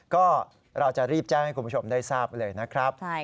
ก็เราจะรีบแจ้งให้คุณผู้ชมได้ทราบเลยนะครับ